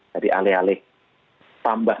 jadi alih alih tambah